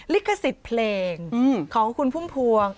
ลิขสิทธิ์เพลงของคุณพุ่มพวง